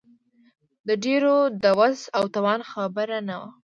د ډېرو د وس او توان خبره نه وه.